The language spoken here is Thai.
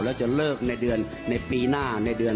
แล้วจะลอกในเดือนในปีหน้า